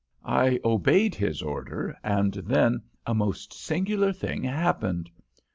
"I obeyed his order, and then a most singular thing happened.